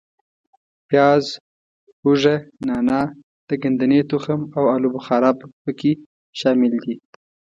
پیاز، هوګه، نانا، د ګدنې تخم او آلو بخارا په کې شامل دي.